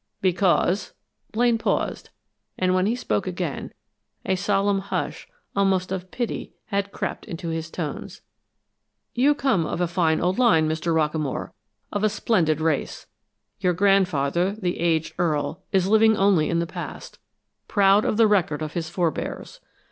"Because " Blaine paused, and when he spoke again, a solemn hush, almost of pity, had crept into his tones. "You come of a fine old line, Mr. Rockamore, of a splendid race. Your grandfather, the aged Earl, is living only in the past, proud of the record of his forebears.